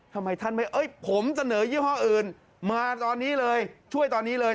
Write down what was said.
ทำไมท่านไม่เอ้ยผมเสนอยี่ห้ออื่นมาตอนนี้เลยช่วยตอนนี้เลย